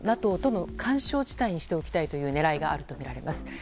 ＮＡＴＯとの緩衝地帯にしておきたいという狙いがあるとみられます。